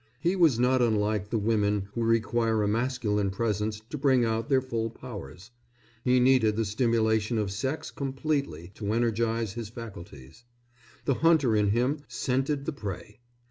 He was not unlike the women who require a masculine presence to bring out their full powers. He needed the stimulation of sex completely to energize his faculties. The hunter in him scented the prey.